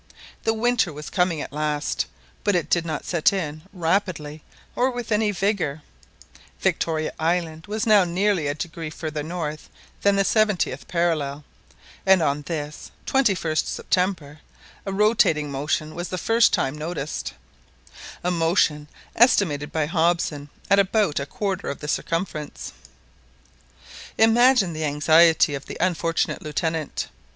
The winter was coming at last, but it did not set in rapidly or with any rigour Victoria Island was now nearly a degree farther north than the seventieth parallel, and on this 21st September, a rotating motion was for the first time noticed, a motion estimated by Hobson at about a quarter of the circumference. Imagine the anxiety of the unfortunate Lieutenant.